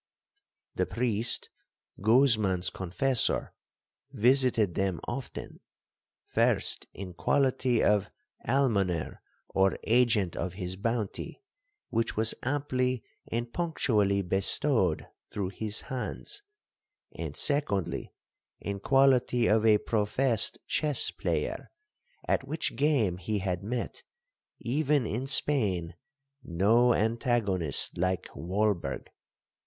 'The priest, Guzman's confessor, visited them often; first in quality of almoner or agent of his bounty, which was amply and punctually bestowed through his hands; and secondly, in quality of a professed chess player, at which game he had met, even in Spain, no antagonist like Walberg.